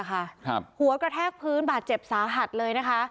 หัวกระแทกพื้นบาดเจ็บสาหัสเลยนะคะ